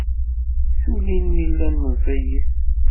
Ssullin mi llan meẓẓiyit.